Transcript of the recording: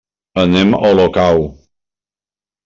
Anem a Olocau.